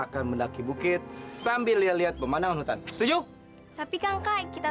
sampai jumpa di video selanjutnya